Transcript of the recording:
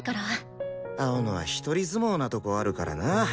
青野は独り相撲なとこあるからな。